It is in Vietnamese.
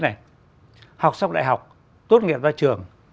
này học xong đại học tốt nghiệp ra trường